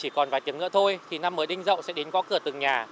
chỉ còn vài tiếng nữa thôi thì năm mới đinh dậu sẽ đến gõ cửa từng nhà